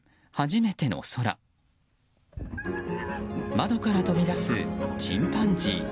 窓から飛び出すチンパンジー。